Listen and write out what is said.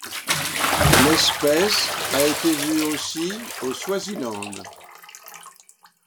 L'espèce a été vue aussi au Swaziland.